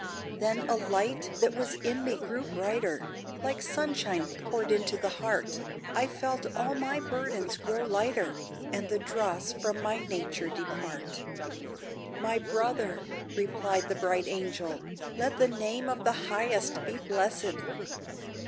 Then a light that was in me grew brighter, Like sunshine poured into the heart; I felt all my burdens grow lighter, And the dross from my nature depart. "My brother," replied the bright Angel, "Let the name of the Highest be blessed!